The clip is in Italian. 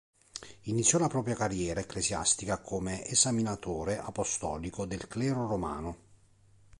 Iniziò la propria carriera ecclesiastica come esaminatore apostolico del clero romano.